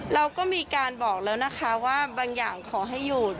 เราก็มีการบอกแล้วนะคะว่าบางอย่างขอให้หยุด